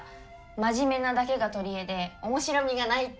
真面目なだけが取り柄で面白みがないって。